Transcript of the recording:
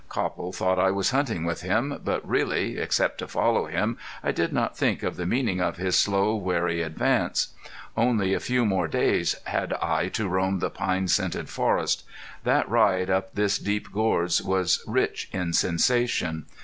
Copple thought I was hunting with him, but really, except to follow him, I did not think of the meaning of his slow wary advance. Only a few more days had I to roam the pine scented forest. That ride up this deep gorge was rich in sensation.